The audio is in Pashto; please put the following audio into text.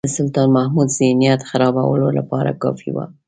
د سلطان محمود ذهنیت خرابولو لپاره کافي وو.